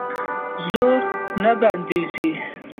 روزي نه بندیږي